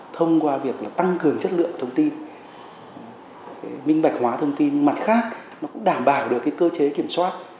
thông qua việc tăng cường chất lượng thông tin minh bạch hóa thông tin mặt khác nó cũng đảm bảo được cơ chế kiểm soát